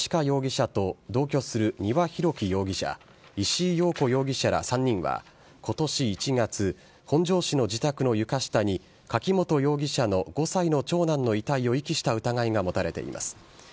容疑者と同居する丹羽洋樹容疑者、石井陽子容疑者ら３人は、ことし１月、本庄市の自宅の床下に、柿本容疑者の５歳の長男の遺体を遺棄した疑いが持たれています。